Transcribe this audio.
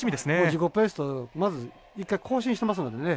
自己ベスト、まず１回更新してますのでね。